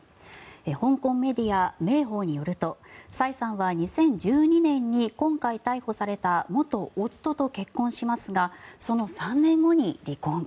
香港メディア、明報によるとサイさんはサイさんは２０１２年に今回逮捕された元夫と結婚しますがその３年後に離婚。